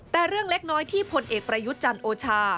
แต่เรื่องเล็กน้อยที่พลเอกประยุทธ์จันทร์โอชา